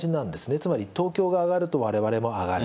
つまり、東京が上がるとわれわれも上がる。